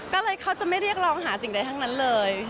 ก็เลยเขาจะไม่เรียกร้องหาสิ่งใดทั้งนั้นเลย